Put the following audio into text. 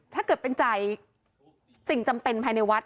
ถ้าเกิดเป็นจ่ายสิ่งจำเป็นภายในวัด